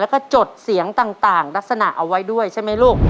แล้วก็จดเสียงต่างลักษณะเอาไว้ด้วยใช่ไหมลูก